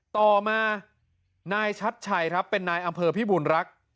ต่อมานายชัดชัยครับเป็นนายอำเภอพิบูรณรักษ์